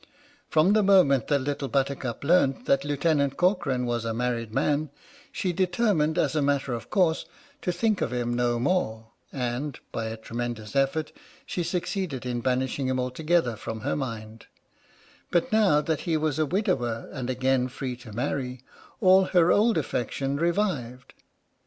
78 H.M.S. "PINAFORE" From the moment that Little Buttercup learnt that Lieutenant Corcoran was a married man she determined, as a matter of course, to think of him no more, and, by a tremendous effort, she succeeded in banishing him altogether from her mind; but, now that he was a widower and again free to marry, all her old affection revived.